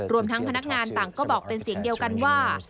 รวมทั้งพนักงานต่างก็บอกเป็นเสียงเดียวกันว่า